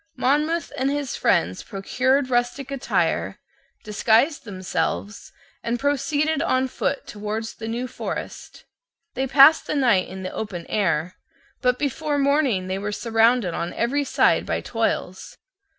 Monmouth and his friends procured rustic attire, disguised themselves, and proceeded on foot towards the New Forest. They passed the night in the open air: but before morning they were Surrounded on every side by toils.